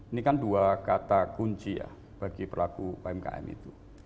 ini kan dua kata kunci ya bagi pelaku umkm itu